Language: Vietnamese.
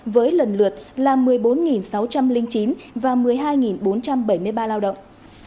với lần lượt là một mươi bốn sáu trăm linh chín và một mươi hai bốn trăm bảy mươi ba lao động